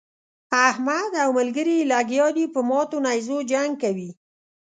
احمد او ملګري يې لګيا دي په ماتو نېزو جنګ کوي.